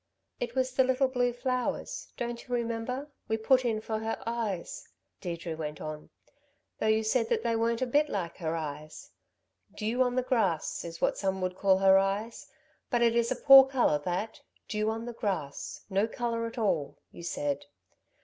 "It was the little blue flowers, don't you remember, we put in for her eyes?" Deirdre went on, "Though you said that they weren't a bit like her eyes. 'Dew on the grass' is what some would call her eyes, but it is a poor colour, that dew on the grass no colour at all,' you said.